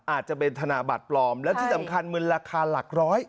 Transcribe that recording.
อาจจะเป็นธนบัตรปลอมและที่สำคัญมึนราคาหลักร้อย